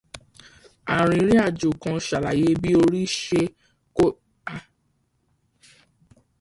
Arìnrìnàjò kan ṣàlàyé bí orí ṣe ko yọ lọ́wọ́ ajínigbé.